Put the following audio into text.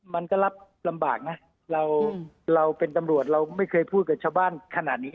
มันก็รับลำบากนะเราเป็นตำรวจเราไม่เคยพูดกับชาวบ้านขนาดนี้